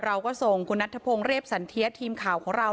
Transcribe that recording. เราก็ส่งคุณณัททะพงเรียบสันเทียดทีมข่าวของเรา